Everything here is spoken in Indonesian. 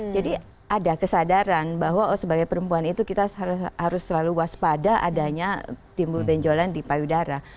ada kesadaran bahwa sebagai perempuan itu kita harus selalu waspada adanya timbul benjolan di payudara